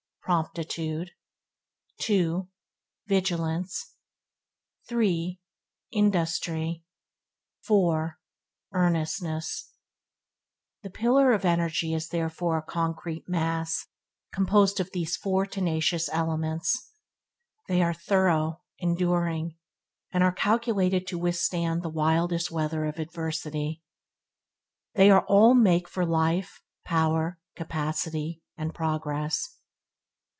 Promptitude 2. Vigilance 3. Industry 4. Earnestness The pillar of energy is therefore a concrete mass composed of these four tenacious elements. They are through, enduring, and are calculated to withstanding the wildest weather of adversity. They all make for life, power, capacity, and progress.